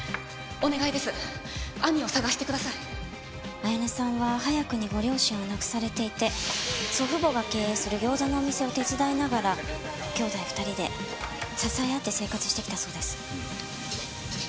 彩音さんは早くにご両親を亡くされていて祖父母が経営する餃子のお店を手伝いながら兄妹２人で支え合って生活してきたそうです。